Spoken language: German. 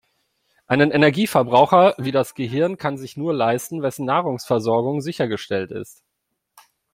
Einen Energieverbraucher wie das Gehirn kann sich nur leisten, wessen Nahrungsversorgung sichergestellt ist.